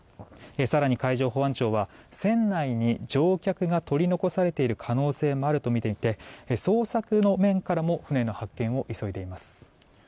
更に海上保安庁は船内に乗客が取り残されている可能性もあるとみていて捜索の面からも船の発見を急いでいます。